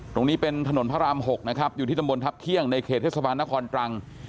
ตรงนี้เป็นถนนพระราม๖นะครับอยู่ที่ตำบลทัพเที่ยงในเขตเทศบาลนครตรัง